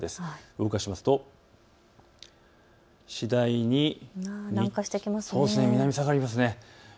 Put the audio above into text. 動かしますと次第に南下してきます。